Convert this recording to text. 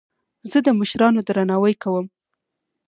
زه د مشرانو درناوی کوم.